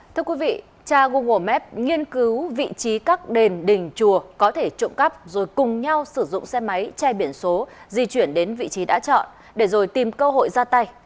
thưa quý vị cha google map nghiên cứu vị trí các đền đình chùa có thể trộm cắp rồi cùng nhau sử dụng xe máy che biển số di chuyển đến vị trí đã chọn để rồi tìm cơ hội ra tay